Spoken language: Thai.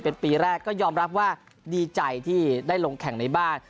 เป็นปีแรกก็ยอมรับว่าดีใจที่ได้ลงแข่งในบ้าน